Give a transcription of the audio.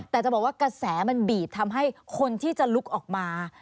แต่จะบอกว่ากระแสมันบีบทำให้คนที่จะลุกออกมา